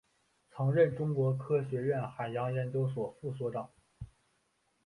曾任中国科学院海洋研究所副所长。